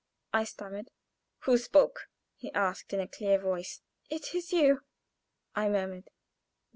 I stammered. "Who spoke?" he asked in a clear voice. "It is you!" I murmured.